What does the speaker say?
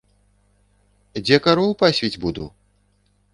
Дзе кароў пасвіць буду?!